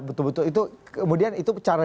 betul betul itu kemudian itu cara